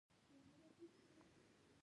دا زموږ د ټولنې اړتیا ده.